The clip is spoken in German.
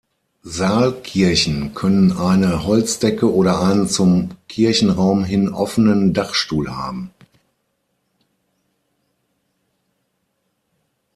Saalkirchen können eine Holzdecke oder einen zum Kirchenraum hin offenen Dachstuhl haben.